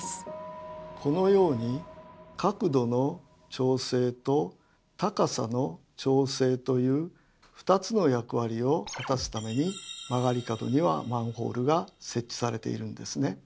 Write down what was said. このように角度の調整と高さの調整という２つの役割を果たすために曲がり角にはマンホールが設置されているんですね。